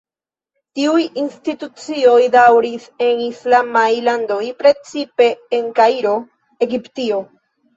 Tiuj institucioj daŭris en islamaj landoj, precipe en Kairo, Egiptio.